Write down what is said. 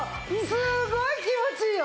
すごい気持ちいいよ！